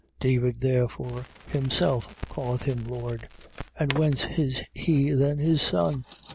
12:37. David therefore himself calleth him Lord. And whence is he then his son?